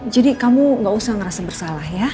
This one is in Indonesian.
jadi kamu gak usah ngerasa bersalah ya